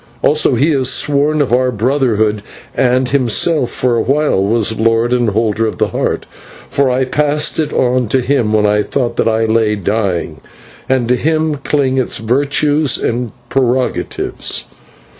Also he is sworn of our brotherhood, and himself, for a while, was Lord and Holder of the Heart, for I passed it on to him when I thought that I lay dying, and to him cling its virtues and prerogatives.